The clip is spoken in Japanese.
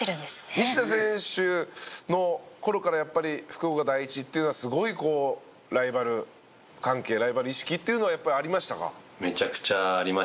西田選手の頃からやっぱり福岡第一っていうのはすごいこうライバル関係ライバル意識っていうのはやっぱりありましたか？